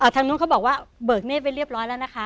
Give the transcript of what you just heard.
ทางนู้นเขาบอกว่าเบิกเนธไปเรียบร้อยแล้วนะคะ